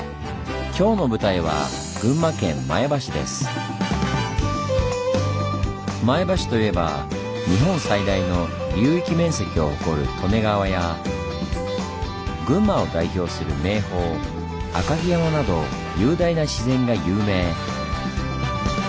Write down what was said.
今日の舞台は前橋といえば日本最大の流域面積を誇る利根川や群馬を代表する名峰赤城山など雄大な自然が有名。